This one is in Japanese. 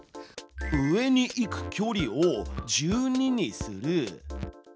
「上に行く距離を１２にする」。